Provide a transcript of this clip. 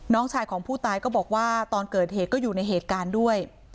น้องชายของผู้ตายก็บอกว่าตอนเกิดเหตุก็อยู่ในเหตุการณ์ด้วย